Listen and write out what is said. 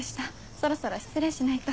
そろそろ失礼しないと。